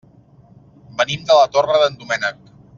Venim de la Torre d'en Doménec.